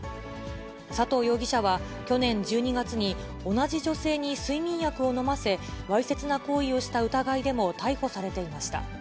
佐藤容疑者は、去年１２月に同じ女性に睡眠薬を飲ませ、わいせつな行為をした疑いでも逮捕されていました。